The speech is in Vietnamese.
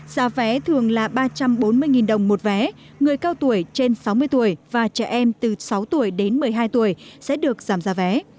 giá vé thường là ba trăm bốn mươi đồng một vé người cao tuổi trên sáu mươi tuổi và trẻ em từ sáu tuổi đến một mươi hai tuổi sẽ được giảm giá vé